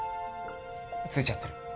ついちゃってる。